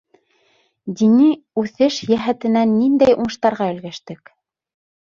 Дини үҫеш йәһәтенән ниндәй уңыштарға өлгәштек?